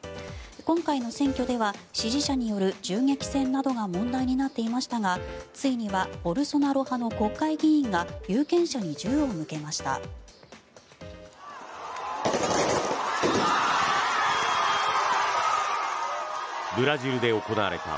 今回の選挙では支持者による銃撃戦などが問題になっていましたがついにはボルソナロ派の国会議員が有権者に銃を向けました。